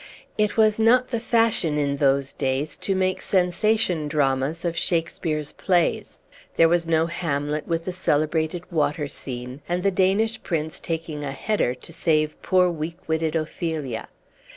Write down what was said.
It was not the fashion in those days to make "sensation" dramas of Shakespeare's plays. There was no Hamlet with the celebrated water scene, and the Danish prince taking a "header" to save poor weak witted Ophelia.